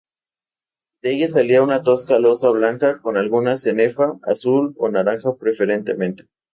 De ella salía una tosca loza blanca con alguna cenefa, azul o naranja preferentemente.